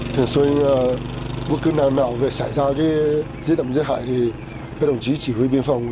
thường xuyên bất cứ nào nào về xảy ra cái giết ẩm giết hại thì các đồng chí chỉ huy biên phòng